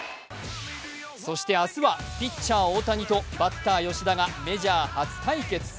そして明日はピッチャー・大谷とバッター・吉田がメジャー初対決。